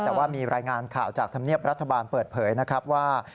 แต่ว่ามีรายงานข่าวจากธรรมเนียบรัฐบาลเปิดเผยนะครับว่า